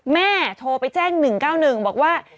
แม่โทรไปแจ้ง๑๙๑บอกว่า